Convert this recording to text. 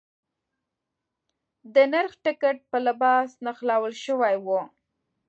د نرخ ټکټ په لباس نښلول شوی و.